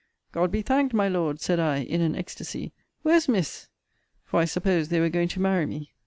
God be thanked, my Lord, said I in an ecstasy! Where's Miss? for I supposed they were going to marry me.